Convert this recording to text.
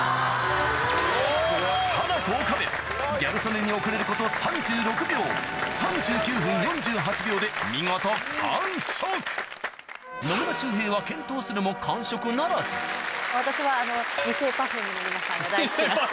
ハナコ・岡部ギャル曽根に遅れること３６秒野村周平は健闘するも完食ならず私はニセＰｅｒｆｕｍｅの皆さんが大好き。